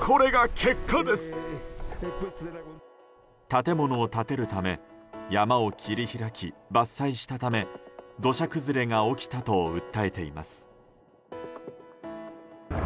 建物を建てるため山を切り開き、伐採したため土砂崩れが起きたと訴えています。